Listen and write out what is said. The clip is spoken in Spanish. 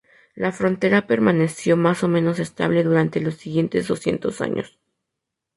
La frontera permaneció más o menos estable durante los siguientes doscientos años.